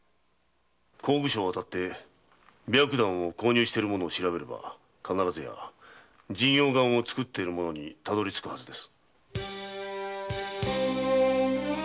香具商を当たって白檀を購入している者を調べれば必ずや神陽丸を作っている者にたどりつくはずです。